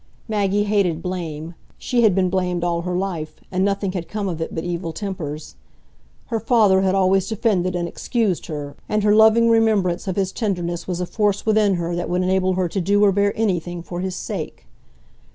Maggie hated blame; she had been blamed all her life, and nothing had come of it but evil tempers. Her father had always defended and excused her, and her loving remembrance of his tenderness was a force within her that would enable her to do or bear anything for his sake.